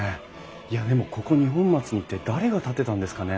いやでもここ二本松に一体誰が建てたんですかね？